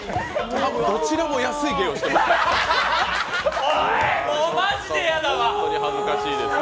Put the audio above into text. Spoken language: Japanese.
多分どちらも安い芸をしてますね。